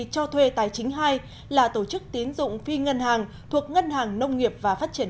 cho thuê tài chính hai là tổ chức tín dụng phi ngân hàng thuộc ngân hàng nông nghiệp và phát triển